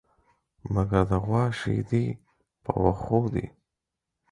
مگر د غوا شيدې په وښو دي.